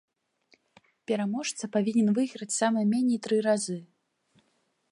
Пераможца павінен выйграць сама меней тры разы.